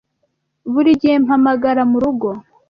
Buri gihe mpamagara murugo